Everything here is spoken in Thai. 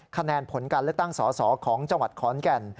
คะแนนผลการเลือกตั้งสอสอของจังหวัดขอนแก่น